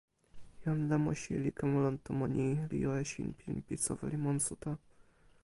jan Lemosi li kama lon tomo ni, li jo e sinpin pi soweli monsuta.